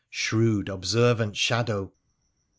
Shrewd, observant shadow !